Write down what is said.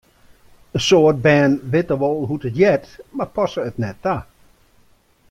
In soad bern witte wol hoe't it heart, mar passe it net ta.